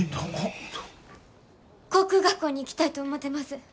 航空学校に行きたいと思てます。